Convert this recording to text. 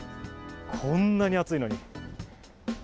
こんなに暑いのに。